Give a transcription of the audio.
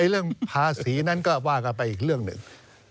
เรื่องภาษีนั้นก็ว่ากันไปอีกเรื่องหนึ่ง